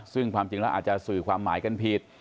ซึ่งความจริงแล้วอาจจะสื่อความหมายกันผิด